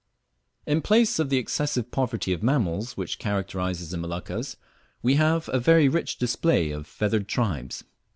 In place of the excessive poverty of mammals which characterises the Moluccas, we have a very rich display of the feathered tribes.